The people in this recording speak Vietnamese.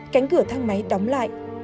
cánh cửa thang máy đóng lại